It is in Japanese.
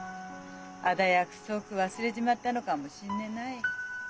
あだ約束忘れちまったのかもしんねえない。